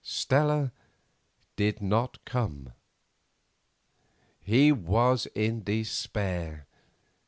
Stella did not come. He was in despair.